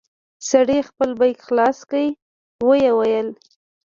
سړي خپل بېګ خلاص کړ ويې ويل.